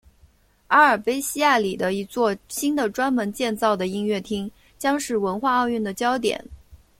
阿尔卑西亚里的一座新的专门建造的音乐厅将是文化奥运的焦点。